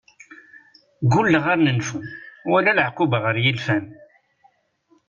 Gulleɣ ar nenfu, wala laɛquba ɣer yilfan.